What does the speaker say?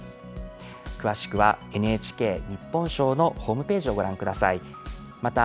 詳しくは、ＮＨＫ日本賞のホームページをご覧ください。